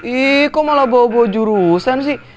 ih kok malah bawa bawa jurusan sih